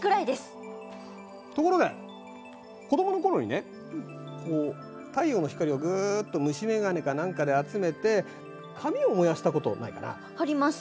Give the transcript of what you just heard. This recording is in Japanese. ところで子どもの頃にね太陽の光をぐっと虫眼鏡か何かで集めて紙を燃やしたことないかな？あります。